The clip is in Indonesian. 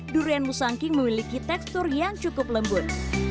durian musangking memiliki tekstur yang cukup lembut